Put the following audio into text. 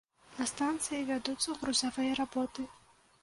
На станцыі вядуцца грузавыя работы.